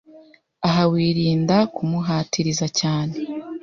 Aha wirinda kumuhatiriza cyane